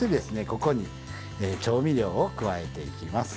ここに調味料を加えていきます。